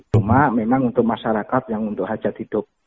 cuma memang untuk masyarakat yang untuk hajat hidup